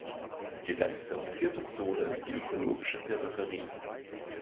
Die letzte und vierte Zone ist die ökologische Peripherie.